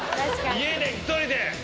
家で１人で。